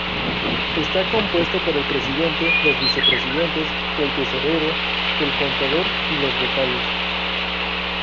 Está compuesto por el Presidente, los Vicepresidentes, el tesorero, el contador y los vocales.